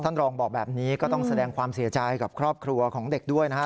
รองบอกแบบนี้ก็ต้องแสดงความเสียใจกับครอบครัวของเด็กด้วยนะฮะ